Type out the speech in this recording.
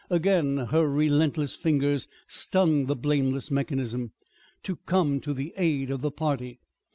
Again her relentless fingers stung the blameless mechanism "to come to the aid of the party.